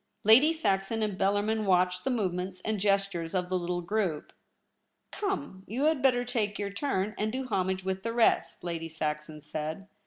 Lady Saxon and Bellarmin watched the movements and gestures of the little group. * Come, you had better take your turn, and do homage with the rest,' Lady Saxon said.